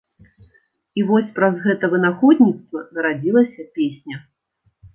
І вось праз гэта вынаходніцтва нарадзілася песня.